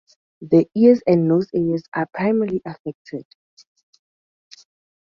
The ears and nose areas are primarily affected.